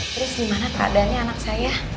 terus gimana keadaannya anak saya